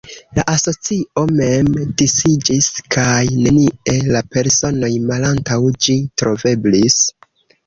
La asocio mem disiĝis kaj nenie la personoj malantaŭ ĝi troveblis.